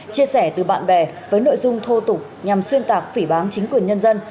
chia sẻ từ bạn bè với nội dung thô tục nhằm xuyên tạc phỉ bán chính quyền nhân dân